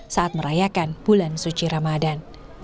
saat merayakan bulan suci ramadan